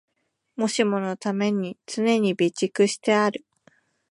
もしものために常に備蓄してある